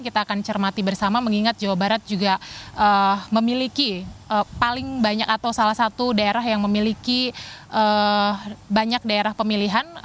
kita akan cermati bersama mengingat jawa barat juga memiliki paling banyak atau salah satu daerah yang memiliki banyak daerah pemilihan